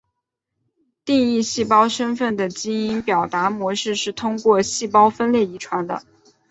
定义细胞身份的基因表达模式是通过细胞分裂遗传的。